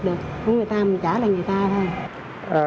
được của người ta mình trả lại người ta thôi